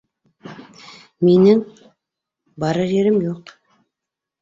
Минең... барыр ерем юҡ...